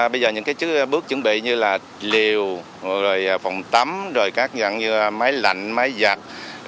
phòng tắm máy lạnh máy giặt